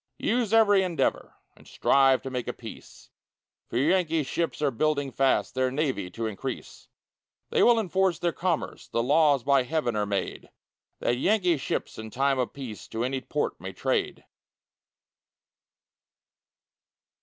Use every endeavor, And strive to make a peace, For Yankee ships are building fast, Their navy to increase; They will enforce their commerce, The laws by heaven are made, That Yankee ships in time of peace To any port may trade.